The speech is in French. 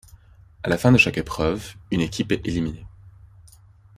À la fin de chaque épreuve, une équipe est éliminée.